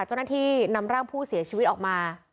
เจ้าหน้าที่นำร่างผู้เสียชีวิตออกมา